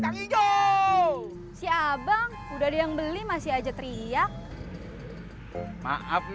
tang hydro siabang udah yang beli masih aja tria iya by providing car i pepper every day